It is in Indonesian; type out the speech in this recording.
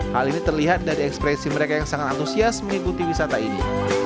hal ini terlihat dari ekspresi mereka yang sangat antusias mengikuti wisata ini